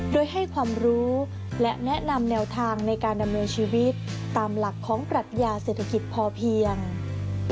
โดยให้ความรู้และแนะนำแนวทางในการดำเนินชีวิตตามหลักของปรัชญาเศรษฐกิจพอเพียง